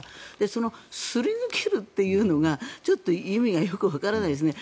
そのすり抜けるというのがちょっと意味がよくわからないですね。